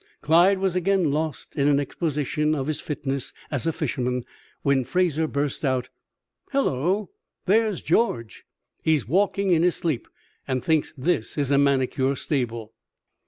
Clyde was again lost in an exposition of his fitness as a fisherman when Fraser burst out: "Hello! There's George. He's walking in his sleep, and thinks this is a manicure stable."